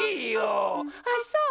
あっそう？